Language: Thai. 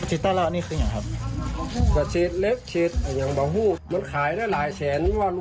จิต่าเราอันนี้คืออย่างไรครับ